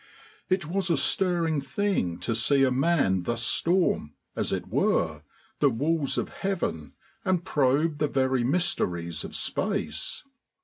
It was a stirring thing to see a man thus storm, as it were, the walls of Heaven and probe the very mysteries of space.